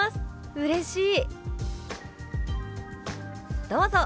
うれしい！」。